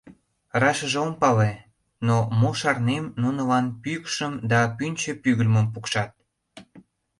— Рашыже ом пале, но, мо шарнем, нунылан пӱкшым да пӱнчӧ пӱгыльмым пукшат.